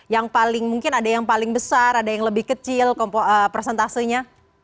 yang paling mungkin ada yang paling besar ada yang lebih kecil presentasenya